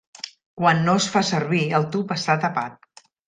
Quan no es fa servir, el tub està tapat.